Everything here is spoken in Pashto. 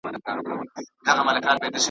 له آفته د بازانو په امان وي .